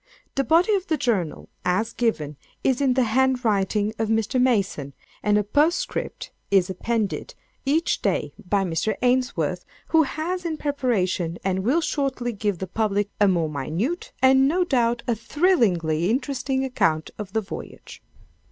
The body of the journal, as given, is in the hand writing of Mr. Mason, and a P. S. is appended, each day, by Mr. Ainsworth, who has in preparation, and will shortly give the public a more minute, and no doubt, a thrillingly interesting account of the voyage.